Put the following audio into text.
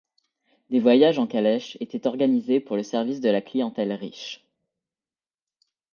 Des voyages en calèche étaient organisés pour le service de la clientèle riche.